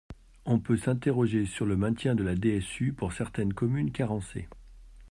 On peut s’interroger sur le maintien de la DSU pour certaines communes carencées.